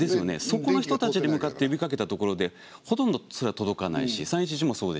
そこの人たちに向かって呼びかけたところでほとんどそれは届かないし３・１１もそうでした。